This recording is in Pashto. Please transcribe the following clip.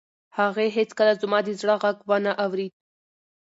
هغې هیڅکله زما د زړه غږ و نه اورېد.